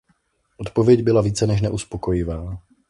Odpověď byla více než neuspokojivá.